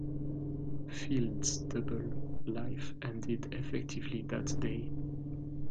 Field's double-life ended effectively that day.